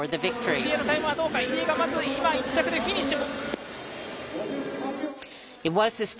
入江のタイムはどうか、入江がまず、１着でフィニッシュ。